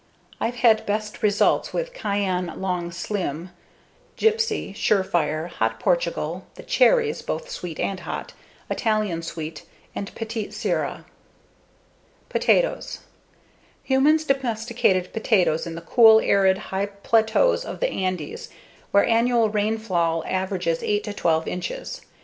I've had best results with Cayenne Long Slim, Gypsie, Surefire, Hot Portugal, the "cherries" both sweet and hot, Italian Sweet, and Petite Sirah. Potatoes Humans domesticated potatoes in the cool, arid high plateaus of the Andes where annual rainfall averages 8 to 12 inches.